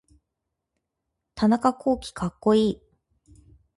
田中洸希かっこいい